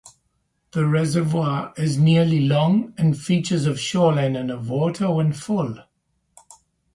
The reservoir is nearly long and features of shoreline and of water when full.